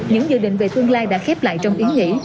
những dự định về tương lai đã khép lại trong ý nghĩ